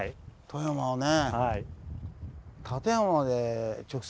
富山はね。